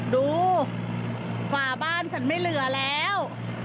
ฝาบ้านฉันไม่เหลือแล้ว